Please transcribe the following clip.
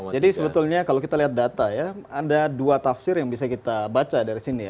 jadi sebetulnya kalau kita lihat data ada dua tafsir yang bisa kita baca dari sini